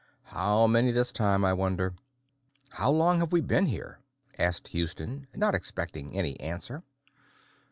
"How many this time, I wonder?" "How long have we been here?" asked Houston, not expecting any answer.